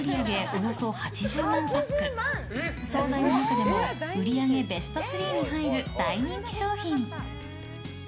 およそ８０万パック総菜の中でも売り上げベスト３に入る大人気商品。